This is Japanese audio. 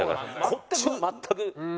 こっちは全く。